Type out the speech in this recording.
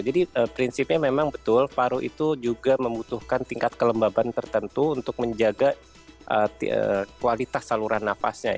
jadi memang betul paru itu juga membutuhkan tingkat kelembaban tertentu untuk menjaga kualitas saluran nafasnya